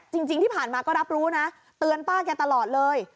จริงที่ผ่านมาก็รับรู้นะเตือนป้าแกตลอดเลย